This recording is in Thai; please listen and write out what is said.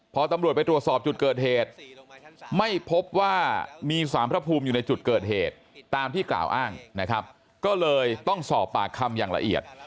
พอตำรวจไปตรวจสอบจุดเกิดเหตุไม่พบว่ามีสารพระภูมิอยู่ในจุดเกิดเหตุตามที่กล่าวอ้างนะครับก็เลยต้องสอบปากคำอย่างละเอียด